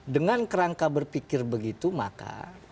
dengan kerangka berpikir begitu maka